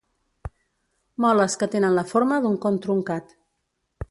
Moles que tenen la forma d'un con truncat.